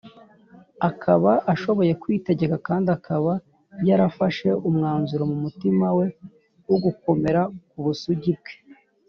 Akaba ashoboye kwitegeka kandi akaba yarafashe umwanzuro mu mutima we wo gukomera ku busugi bwe